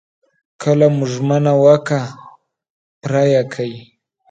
کله مو ژمنه وکړه پوره يې کړئ.